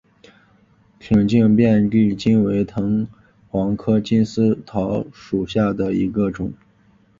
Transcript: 挺茎遍地金为藤黄科金丝桃属下的一个种。